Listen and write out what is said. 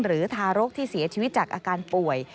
ทารกที่เสียชีวิตจากอาการป่วย